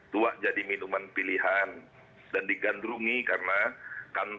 tuak jadi minuman pilihan dan digandrungi karena kantor